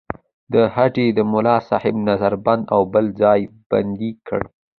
د هډې ملاصاحب نظر بند او بل ځل بندي کړ.